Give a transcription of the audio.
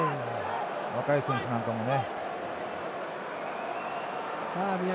若い選手なんかもね。